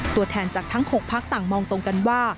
ตัวแทนจากทั้ง๖พักต่างมองตรงกันว่า